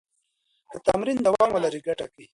که تمرین دوام ولري، ګټه کوي.